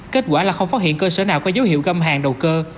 kết quả là không phát hiện cơ sở nào có dấu hiệu găm hàng đầu cơ